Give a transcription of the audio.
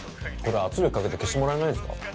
これ圧力かけて消してもらえないんすか？